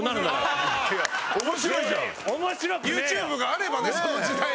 ＹｏｕＴｕｂｅがあればねその時代に。